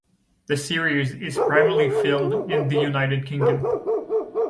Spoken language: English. The series is primarily filmed in the United Kingdom.